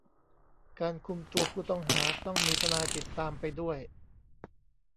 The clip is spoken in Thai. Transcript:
การคุมตัวผู้ต้องหา ต้องมีทนายติดตามไปด้วย